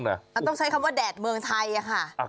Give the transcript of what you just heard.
ต้องใช้คำว่าแดดเมืองไทยค่ะ